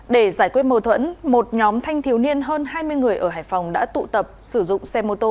để giải quyết mâu thuẫn một nhóm thanh thiếu niên hơn hai mươi người ở hải phòng đã tụ tập sử dụng xe mô tô